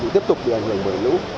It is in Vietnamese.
tiếp tục đi hành hưởng bởi lũ